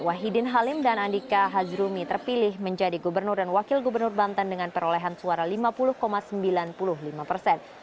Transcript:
wahidin halim dan andika hazrumi terpilih menjadi gubernur dan wakil gubernur banten dengan perolehan suara lima puluh sembilan puluh lima persen